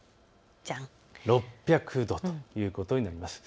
６００度ということになります。